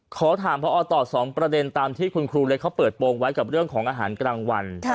ขอถามพอต่อ๒ประเด็นตามที่คุณครูเล็กเขาเปิดโปรงไว้กับเรื่องของอาหารกลางวัน